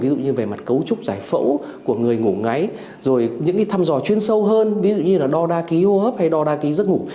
ví dụ như về mặt cấu trúc giải phẫu của người ngủ ngáy rồi những cái thăm dò chuyên sâu hơn ví dụ như là đo đa ký hô hấp hay đo đa ký giấc ngủ